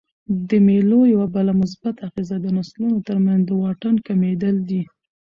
د مېلو یوه بله مثبته اغېزه د نسلونو ترمنځ د واټن کمېدل دي.